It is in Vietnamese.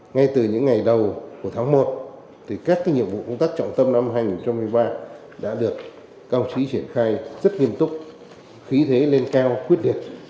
ngay từ những ngày đầu của tháng một các nhiệm vụ công tác trọng tâm năm hai nghìn một mươi ba đã được các ông chí triển khai rất nghiêm túc khí thế lên cao quyết liệt